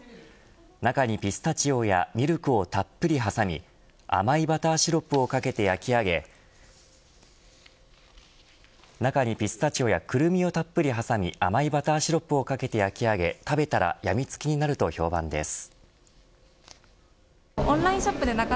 中にピスタチオやミルクをたっぷりはさみ甘いバターシロップをかけて焼き上げ中にピスタチオやクルミをたっぷり挟み甘いバターシロップをかけて焼き上げ食べたらやみつきになると評判です。